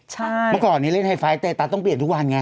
เมื่อก่อนนี้เล่นไทไฟล์เตตัสต้องเปลี่ยนทุกวันไง